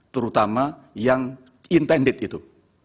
terutama yang intended gitu